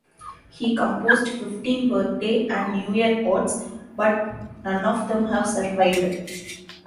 He composed fifteen birthday and New Year odes, but none of them have survived.